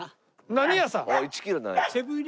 何屋さん？